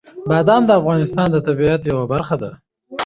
بادام د افغانستان د طبیعت یوه برخه ده.